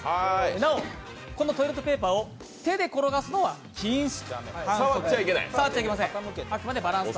なお、このトイレットペーパーを手で転がすのは禁止。